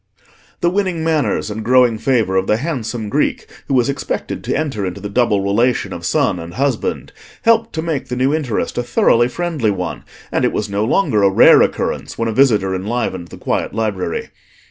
The winning manners and growing favour of the handsome Greek who was expected to enter into the double relation of son and husband helped to make the new interest a thoroughly friendly one, and it was no longer a rare occurrence when a visitor enlivened the quiet library.